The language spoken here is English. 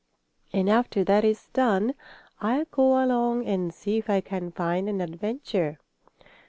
And after that is done I'll go along and see if I can find an adventure."